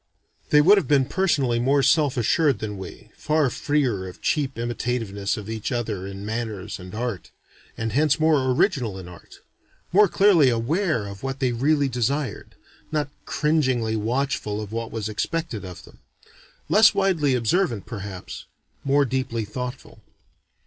They would have been personally more self assured than we, far freer of cheap imitativeness of each other in manners and art, and hence more original in art; more clearly aware of what they really desired; not cringingly watchful of what was expected of them; less widely observant perhaps, more deeply thoughtful.